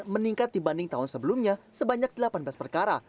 meningkat dibanding tahun sebelumnya sebanyak delapan belas perkara